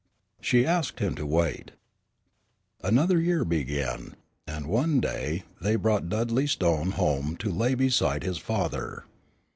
She asked him to wait. Another year began, and one day they brought Dudley Stone home to lay beside his father.